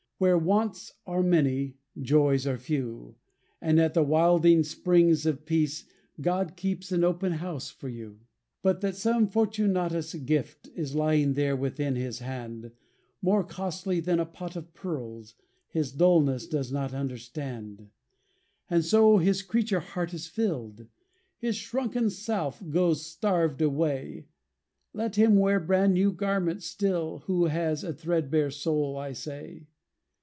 Where wants are many, joys are few; And at the wilding springs of peace, God keeps an open house for you. But that some Fortunatus' gift Is lying there within his hand, More costly than a pot of pearls, His dulness does not understand. And so his creature heart is filled; His shrunken self goes starved away. Let him wear brand new garments still, Who has a threadbare soul, I say.